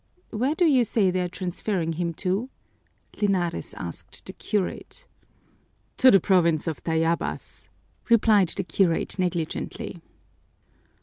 "Where do you say they're transferring him to?" Linares asked the curate. "To the province of Tayabas," replied the curate negligently.